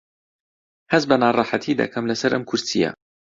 هەست بە ناڕەحەتی دەکەم لەسەر ئەم کورسییە.